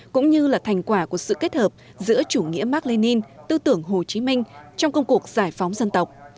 cũng như là thành quả của sự kết hợp giữa chủ nghĩa mark lenin tư tưởng hồ chí minh trong công cuộc giải phóng dân tộc